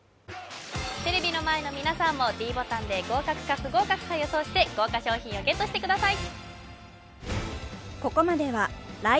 テレビの前の皆さんもｄボタンで合格か不合格か予想して豪華賞品をＧＥＴしてください